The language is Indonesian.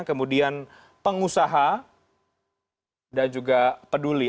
kemudian pengusaha dan juga peduli